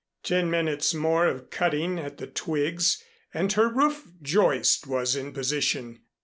Ten minutes more of cutting at the twigs and her roof joist was in position.